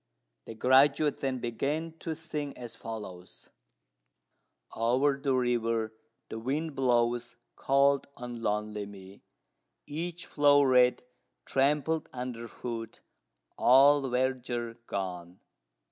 The graduate then began to sing as follows: "Over the river the wind blows cold on lonely me: Each flow'ret trampled under foot, all verdure gone.